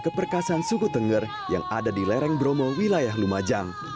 keperkasan suku tengger yang ada di lereng bromo wilayah lumajang